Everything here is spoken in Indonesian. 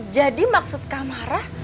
jadi maksud kak marah